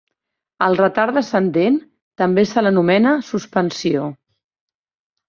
Al retard descendent també se l'anomena suspensió.